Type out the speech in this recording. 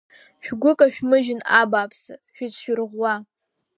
Шәгәы кашәмыжьын, абааԥсы, шәыҽшәырӷәӷәа!